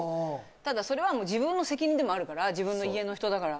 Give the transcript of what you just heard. ただ、それは自分の責任でもあるから自分の家の人のことであるから。